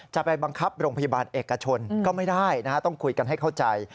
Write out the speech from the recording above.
จะไปบังคับโรงพยาบาลเอกชนก็ไม่ได้ต้องคุยกันให้เข้าใจ